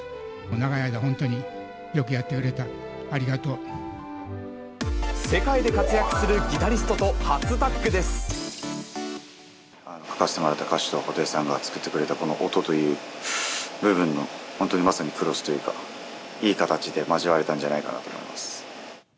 長い間、本当によくやってくれた、世界で活躍するギタリストと書かせてもらった歌詞と、布袋さんが作ってくれたこの音という部分の、本当にまさにＣｒｏｓｓというか、いい形で交われたんじゃないかなと思います。